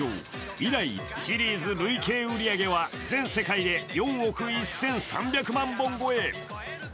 以来、シリーズ累計売り上げは全世界で４億１３００万本超え。